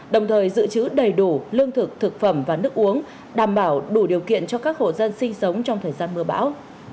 đồng thời dự trữ đầy đủ lương thực thực phẩm và nước uống đảm bảo đủ điều kiện cho các hộ dân sinh sống trong thời gian mưa bão